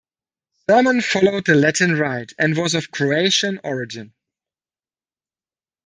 Sermon followed the Latin Rite, and was of Croatian origin.